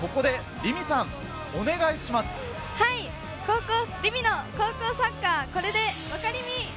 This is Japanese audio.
「凛美の高校サッカーこれでわかりみ！！」。